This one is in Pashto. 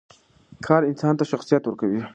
کار انسان ته شخصیت ورکوي.